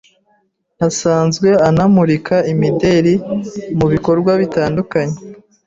Asanzwe anamurika imideli mu bikorwa bitandukanye.